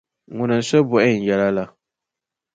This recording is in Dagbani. Ŋuni n-so bohi n yɛla la?